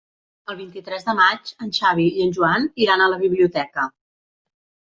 El vint-i-tres de maig en Xavi i en Joan iran a la biblioteca.